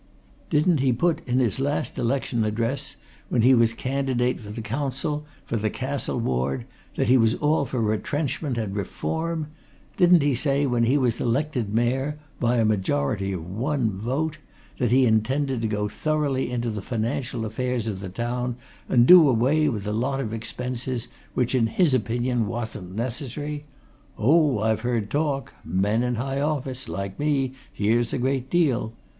Didn't he put in his last election address, when he was a candidate for the Council, for the Castle Ward, that he was all for retrenchment and reform? Didn't he say, when he was elected Mayor by a majority of one vote! that he intended to go thoroughly into the financial affairs of the town, and do away with a lot of expenses which in his opinion wasn't necessary? Oh, I've heard talk men in high office, like me, hears a deal.